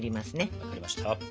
わかりました。